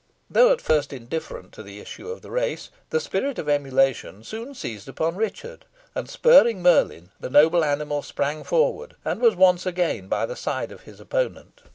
Though at first indifferent to the issue of the race, the spirit of emulation soon seized upon Richard, and spurring Merlin, the noble animal sprang forward, and was once again by the side of his opponent.